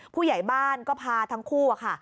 ผู้ใหญ่บ้านก็พาทั้งคู่ค่ะ